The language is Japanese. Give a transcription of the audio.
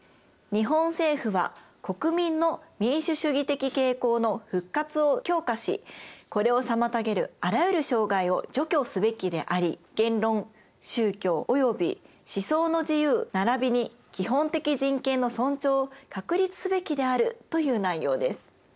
日本政府は国民の民主主義的傾向の復活を強化しこれを妨げるあらゆる障害を除去すべきであり言論・宗教及び思想の自由並びに基本的人権の尊重を確立すべきであるという内容です。